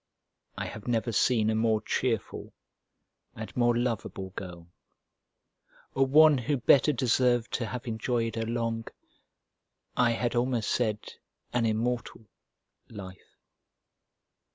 I have never seen a more cheerful and more lovable girl, or one who better deserved to have enjoyed a long, I had almost said an immortal, life!